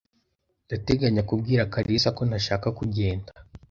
Ndateganya kubwira Kalisa ko ntashaka kugenda.